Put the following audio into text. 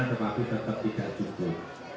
tetapi tetap tidak cukup